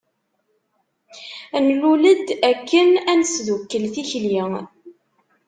Nlul-d akken ad nesdukkel tikli.